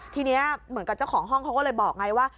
ทีนี้เหมือนกับเจ้าของห้องเขาก็เลยบอกไงว่า